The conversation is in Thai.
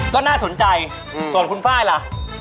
ก็น่าสนใจส่วนคุณไฟล์ล่ะ